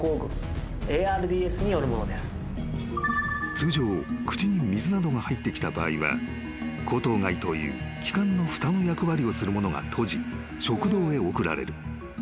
［通常口に水などが入ってきた場合は喉頭蓋という気管のふたの役割をするものが閉じ食道へ送られる］